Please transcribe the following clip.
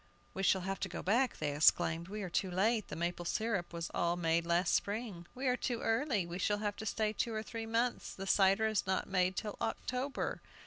"We shall have to go back," they exclaimed. "We are too late! The maple syrup was all made last spring." "We are too early; we shall have to stay two or three months, the cider is not made till October."